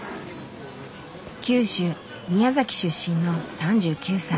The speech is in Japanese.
九州宮崎出身の３９歳。